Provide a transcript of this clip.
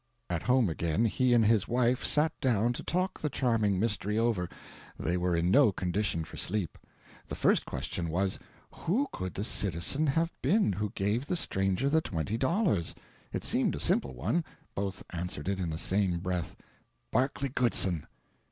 At home again, he and his wife sat down to talk the charming mystery over; they were in no condition for sleep. The first question was, Who could the citizen have been who gave the stranger the twenty dollars? It seemed a simple one; both answered it in the same breath "Barclay Goodson."